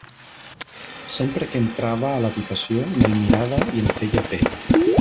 Sempre que entrava a l'habitació me'l mirava i em feia pena.